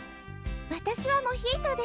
私はモヒートで。